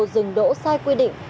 rừng đỗ sai quy định